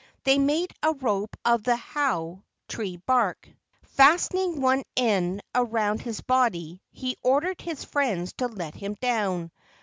They made a rope of the hau * tree bark. Fastening one end around his body he ordered his friends to let him down.